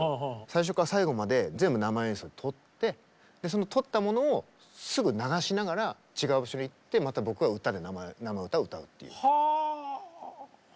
最初から最後まで全部生演奏で撮ってその撮ったものをすぐ流しながら違う場所に行ってまた僕は歌で生歌を歌うっていう。